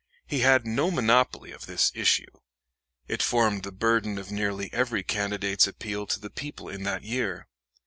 He had no monopoly of this "issue." It formed the burden of nearly every candidate's appeal to the people in that year.